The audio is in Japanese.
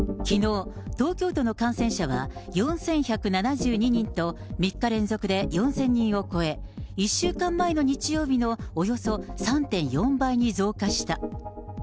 きのう、東京都の感染者は４１７２人と、３日連続で４０００人を超え、１週間前の日曜日のおよそ３．４倍に増加した。